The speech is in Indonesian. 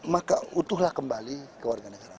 maka utuhlah kembali kewarganegaraan